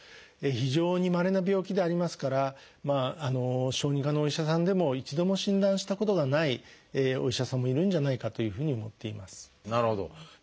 非常にまれな病気でありますから小児科のお医者さんでも一度も診断したことがないお医者さんもいるんじゃないかというふうに思っています。